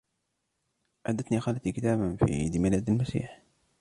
أهدتني خالتي كتابًا في عيد ميلاد المسيح.